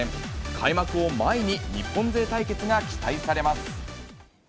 開幕を前に日本勢対決が期待されます。